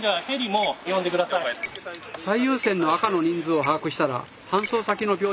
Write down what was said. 最優先の赤の人数を把握したら搬送先の病院を決めます。